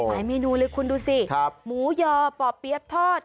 เมนูเลยคุณดูสิหมูยอป่อเปี๊ยบทอด